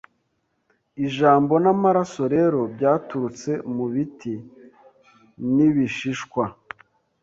Ijambo n'amaraso rero byaturutse mubiti n'ibishishwa